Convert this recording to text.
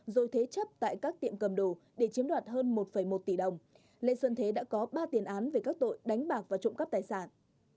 rồi thế chấp tại các tiệm cầm đồ để chiếm đoạt hơn một một tỷ đồng lê xuân thế đã có ba tiền án về các tội đánh bạc và trộm cắp tài sản